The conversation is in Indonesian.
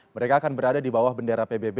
mereka akan berada di bawah bendera pbb